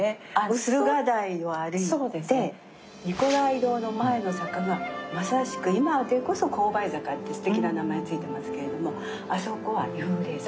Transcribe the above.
駿河台を歩いてニコライ堂の前の坂がまさしく今でこそ紅梅坂ってすてきな名前付いてますけれどもあそこは幽霊坂。